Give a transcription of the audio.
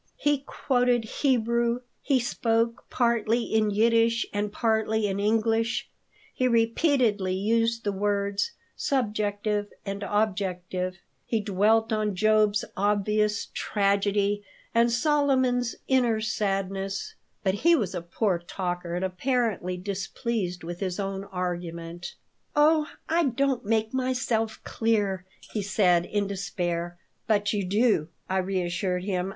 He quoted Hebrew, he spoke partly in Yiddish and partly in English; he repeatedly used the words "subjective" and "objective"; he dwelt on Job's "obvious tragedy" and Solomon's "inner sadness," but he was a poor talker and apparently displeased with his own argument "Oh, I don't make myself clear," he said, in despair "But you do," I reassured him.